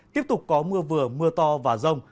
tiếp tục có mưa vừa mưa to và rông